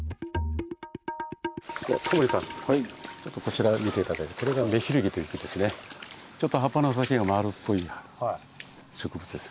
タモリさんこちら見て頂いてこれが「メヒルギ」といってちょっと葉っぱの先が丸っぽい植物です。